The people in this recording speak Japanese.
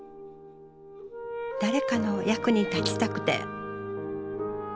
誰かの役に立ちたくて。